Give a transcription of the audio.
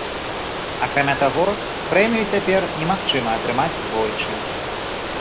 Акрамя таго, прэмію цяпер немагчыма атрымаць двойчы.